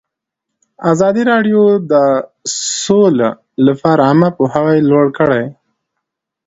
ازادي راډیو د سوله لپاره عامه پوهاوي لوړ کړی.